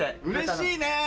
うれしいね！